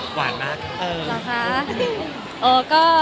หวานหรอค่ะ